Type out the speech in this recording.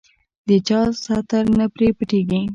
د چا ستر نه پرې پټېږي.